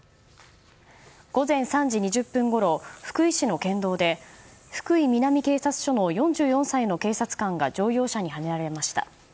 午前３時２０分ごろ福井市の県道で福井南警察署の４４歳の警察官が乗用車にはねられました。